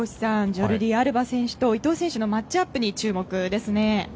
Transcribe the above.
ジョルディ・アルバ選手と伊東選手のマッチアップに注目ですね。